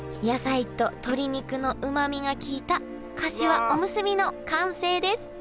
野菜と鶏肉のうまみが効いたかしわおむすびの完成です